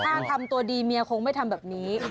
ถ้าทำตัวดีเมียคงไม่ทำแบบนี้